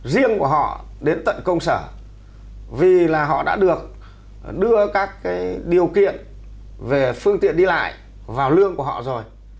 riêng của họ đến tận công sở vì là họ đã được đưa các điều kiện về phương tiện đi lại vào lương của họ rồi